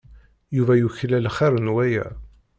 Yuba yuklal xir n waya.